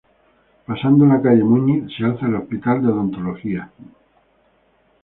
Pasando la calle Muñiz se alza el Hospital de Odontología Dr.